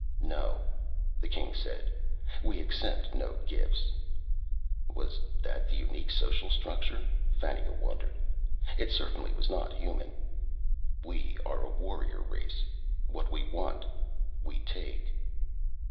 "No," the king said. "We accept no gifts." Was that the unique social structure? Fannia wondered. It certainly was not human. "We are a warrior race. What we want, we take."